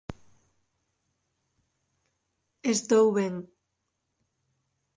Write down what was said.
_Estou ben...